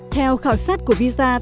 theo khảo sát của visa